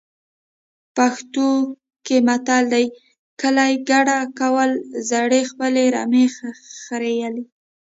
پښتو کې متل دی. کلی کډه کوله زړې خپلې رمبې خریلې.